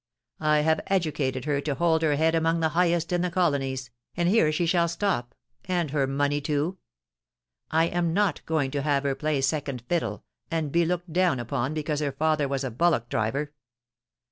I have educated her to hold her head among the highest in the colonies, and here she shall stop, and her money too. I am not going to have her play second fiddle, and be looked down upon because her father was a bullock driver.